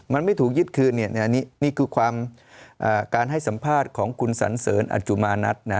มันไม่ถูกยึดคืนนี่คือความการให้สัมภาษณ์ของคุณสันเสริญอัจจุมานัท